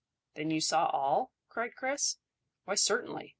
"Then you saw all?" cried Chris. "Why, certainly.